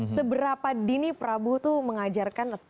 seberapa dini prabu itu mengajarkan